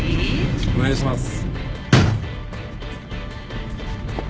お願いします。